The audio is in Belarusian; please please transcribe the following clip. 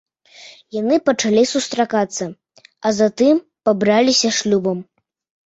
Яны пачалі сустракацца, а затым пабраліся шлюбам.